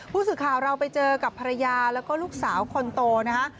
ผู้สื่อข่าวเราไปเจอกับภรรยาแล้วก็ลูกสาวคนโตนะคะ